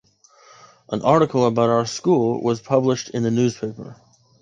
An article about our school was published in a newspaper.